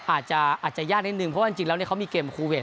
อาจจะอาจจะยากนิดหนึ่งเพราะว่าจริงจริงแล้วเนี่ยเขามีเกม